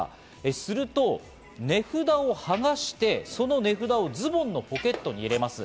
すると値札をはがして、その値札をズボンのポケットに入れます。